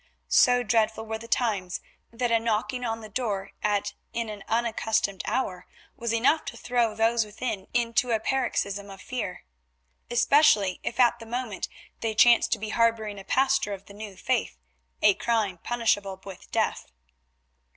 So dreadful were the times that a knocking on the door at an unaccustomed hour was enough to throw those within into a paroxysm of fear, especially if at the moment they chanced to be harbouring a pastor of the New Faith, a crime punishable with death.